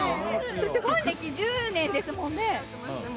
そしてファン歴１０年ですもんね。